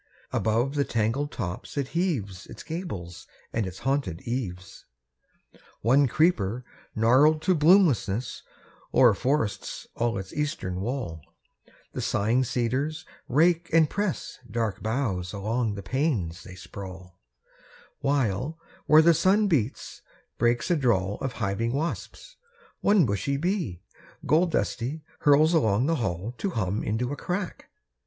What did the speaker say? Above the tangled tops it heaves Its gables and its haunted eaves. 2. One creeper, gnarled to bloomlessness, O'er forests all its eastern wall; The sighing cedars rake and press Dark boughs along the panes they sprawl; While, where the sun beats, breaks a drawl Of hiving wasps; one bushy bee, Gold dusty, hurls along the hall To hum into a crack.